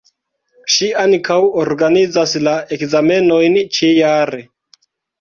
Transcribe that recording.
Ŝi ankaŭ organizas la ekzamenojn ĉi jare.